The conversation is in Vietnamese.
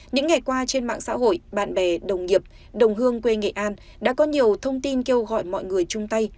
những ngày qua trên mạng xã hội bạn bè đồng nghiệp đồng hương quê nghệ an đã có nhiều thông tin kêu gọi mọi người chung tay